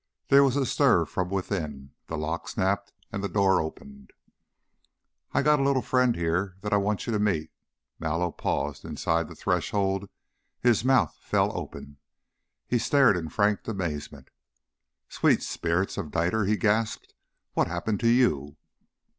There was a stir from within, the lock snapped and the door opened. "I've got a little friend here that I want you to " Mallow paused inside the threshold, his mouth fell open, he stared in frank amazement. "Sweet spirits of niter!" he gasped. "What happened to _you?